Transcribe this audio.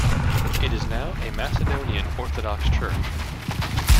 It is now a Macedonian Orthodox Church.